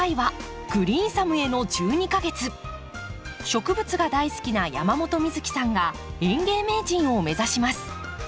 植物が大好きな山本美月さんが園芸名人を目指します。